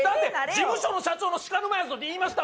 「事務所の社長のシカヌマやぞ」って言いました